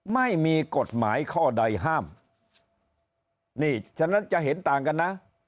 ไม่มีกฎหมายข้อใดห้ามนี่ฉะนั้นจะเห็นต่างกันนะ